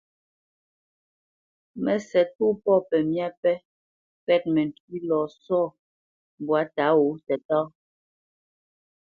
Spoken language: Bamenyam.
Mə́sɛ̌t pô pɔ̂ pəmyá pɛ́ kwɛ́t məntʉ́ʉ́ lɔ sɔ̂ mbwǎ tǎ wǒ tətáá.